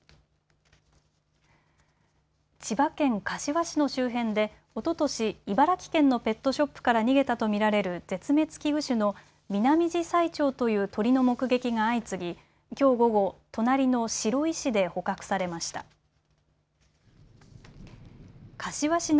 千葉県柏市の周辺で、おととし茨城県のペットショップから逃げたと見られる絶滅危惧種のミナミジサイチョウという鳥の目撃が相次ぎきょう午後、隣の白井市で捕獲されました。